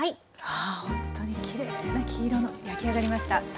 ほんとにきれいな黄色の焼き上がりました。